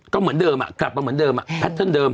ก็เหมือนเดิมกลับมาเหมือนเดิมแพทเทิร์นเดิม